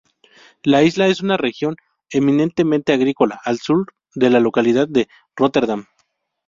La isla es una región eminentemente agrícola, al sur de la localidad de Róterdam.